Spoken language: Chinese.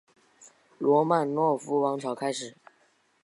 罗曼诺夫王朝开始。